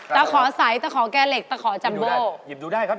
ตะขอใสตะขอแก้เหล็กตะขอจัมโบหยิบดูได้ครับ